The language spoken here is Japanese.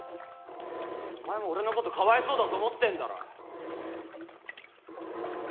お前も俺のことかわいそうだと思ってんだろ？